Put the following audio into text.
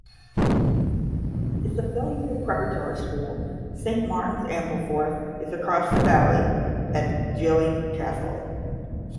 Its affiliated preparatory school, Saint Martin's Ampleforth, is across the valley at Gilling Castle.